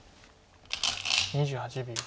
２８秒。